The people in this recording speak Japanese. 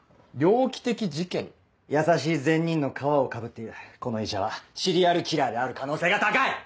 優しい善人の皮をかぶっているこの医者はシリアルキラーである可能性が高い！